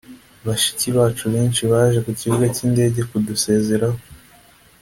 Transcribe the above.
bashiki bacu benshi baje ku kibuga cy indege kudusezeraho